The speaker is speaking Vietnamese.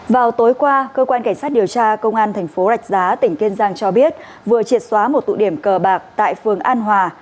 vào tối qua cơ quan cảnh sát điều tra công an thành phố rạch giá tỉnh kiên giang cho biết vừa triệt xóa một tụ điểm cờ bạc tại phường an hòa